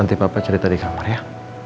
nanti papa cari tadi kamar ya